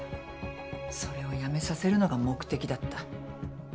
それをやめさせるのが目的だった。